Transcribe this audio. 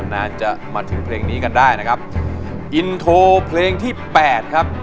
น่าจะมาถึงเพลงนี้กันได้นะครับอินโทรเพลงที่แปดครับ